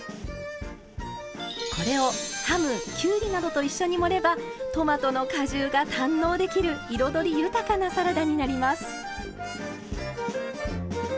これをハムキュウリなどと一緒に盛ればトマトの果汁が堪能できる彩り豊かなサラダになります。